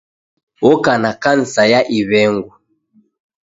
Oka na kansa ya iw'engu.